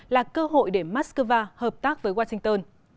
là cơ hội để moscow hợp tác với washington